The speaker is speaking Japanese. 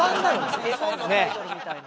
絵本のタイトルみたいな。